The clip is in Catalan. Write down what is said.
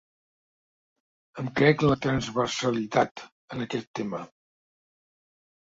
Em crec la transversalitat en aquest tema.